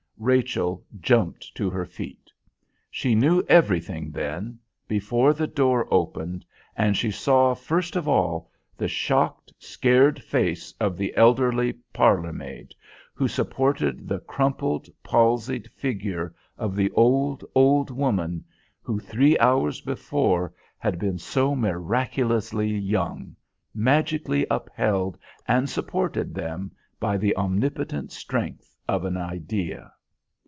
Rachel jumped to her feet. She knew everything then before the door opened, and she saw first of all the shocked, scared face of the elderly parlour maid who supported the crumpled, palsied figure of the old, old woman who, three hours before, had been so miraculously young, magically upheld and supported then by the omnipotent strength of an idea.